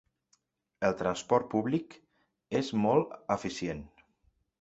El transport públic és molt eficient.